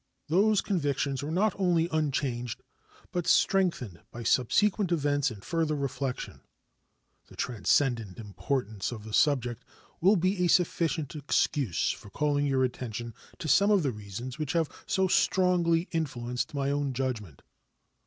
Those convictions are not only unchanged, but strengthened by subsequent events and further reflection The transcendent importance of the subject will be a sufficient excuse for calling your attention to some of the reasons which have so strongly influenced my own judgment.